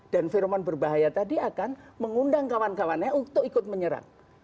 dan veromen berbahaya tadi akan mengundang kawan kawannya untuk ikut menyerang